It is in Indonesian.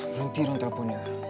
berhenti dong teleponnya